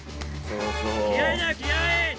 気合いだ、気合い！